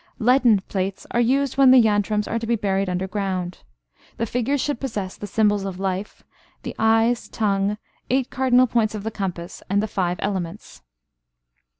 Leaden plates are used when the yantrams are to be buried underground. The figures should possess the symbols of life, the eyes, tongue, eight cardinal points of the compass, and the five elements.